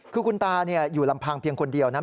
คือคุณตาอยู่ลำพังเพียงคนเดียวนะ